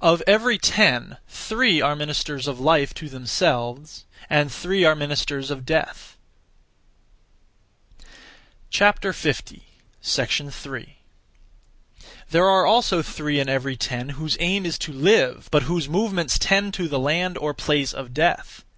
Of every ten three are ministers of life (to themselves); and three are ministers of death. 3. There are also three in every ten whose aim is to live, but whose movements tend to the land (or place) of death.